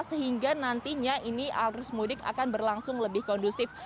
sehingga nantinya ini arus mudik akan berlangsung lebih kondusif